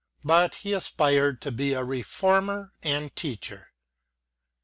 But he aspired to be a Reformer and Teacher.